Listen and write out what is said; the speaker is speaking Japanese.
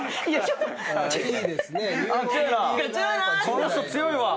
この人強いわ！」